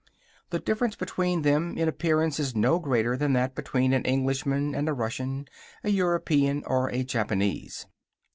The difference between them, in appearance, is no greater than between an Englishman and a Russian, a European or a Japanese.